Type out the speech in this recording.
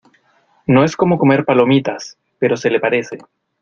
no es como comer palomitas, pero se le parece.